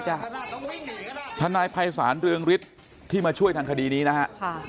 คุณกลางสิทธิ์ธนายภัยสารเรืองฤทธิ์ที่มาช่วยดังคดีนี้นะคะ